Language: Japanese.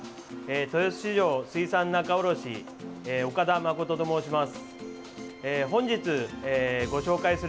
豊洲市場水産仲卸岡田誠と申します。